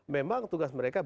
memang tugas mereka